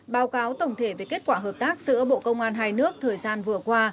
báo cáo tổng thể về kết quả hợp tác giữa bộ công an hai nước thời gian vừa qua